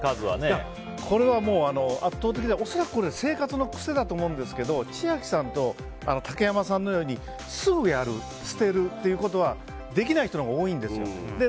これはもう、圧倒的で恐らく生活の癖だと思うんですけど千秋さんと竹山さんのようにすぐやる、捨てるということができない人のほうが多いんです。